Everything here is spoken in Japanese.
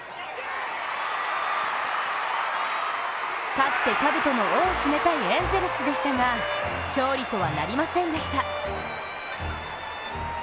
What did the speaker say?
勝ってかぶとの緒を締めたいエンゼルスでしたが勝利とはなりませんでした。